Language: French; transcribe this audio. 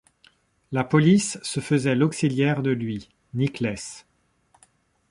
La police se faisait l’auxiliaire de lui, Nicless.